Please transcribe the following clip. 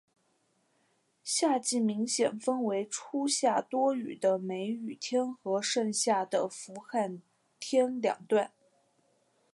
夏季明显分为初夏多雨的梅雨天和盛夏的伏旱天两段。